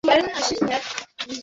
কিছুটা বলতে পারো।